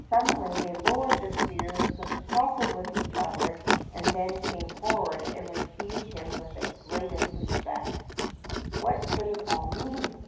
Suddenly they lowered their spears, consulted with each other, and then came forward and received him with the greatest respect. What could it all mean